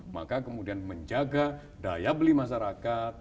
maka kemudian menjaga daya beli masyarakat